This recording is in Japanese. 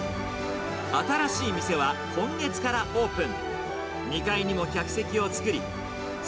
新しい店は今月からオープン。